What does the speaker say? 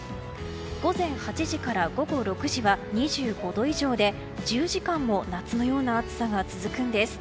午前８時から午後６時は２５度以上で１０時間も夏のような暑さが続くんです。